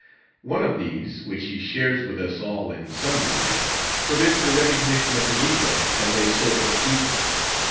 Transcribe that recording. One of these, which he shares with us all in some degree, forbids the recognition of the negro as a social equal."